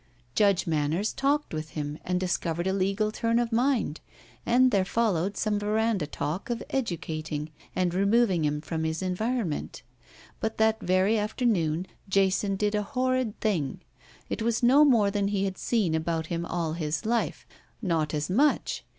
Judge Manners talked with him and discovered a legal turn of mind, and there followed some veranda talk of educating and removing him from his environ ment. But that very afternoon Jason did a horrid thing. It was no more than he had seen about him all his life. Not as much.